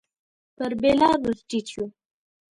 پر بېلر ور ټيټ شو.